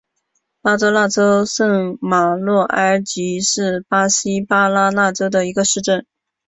巴拉那州圣马诺埃尔是巴西巴拉那州的一个市镇。